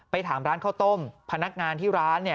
ถามร้านข้าวต้มพนักงานที่ร้าน